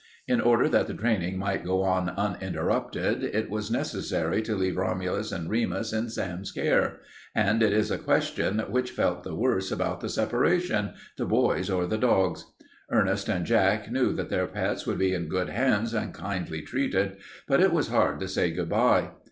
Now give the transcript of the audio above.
In order that the training might go on uninterrupted it was necessary to leave Romulus and Remus in Sam's care, and it is a question which felt the worse about the separation, the boys or the dogs. Ernest and Jack knew that their pets would be in good hands and kindly treated, but it was hard to say good by.